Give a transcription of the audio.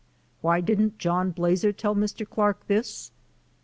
Why didn't John Blazer tell Mr. Clark this?